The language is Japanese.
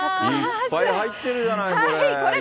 いっぱい入ってるじゃない、これ。